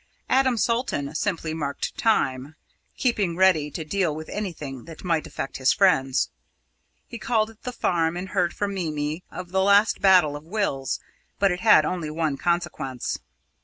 Adam Salton simply marked time, keeping ready to deal with anything that might affect his friends. He called at the farm and heard from Mimi of the last battle of wills, but it had only one consequence.